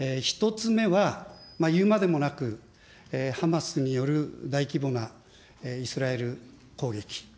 １つ目は言うまでもなく、ハマスによる大規模なイスラエル攻撃。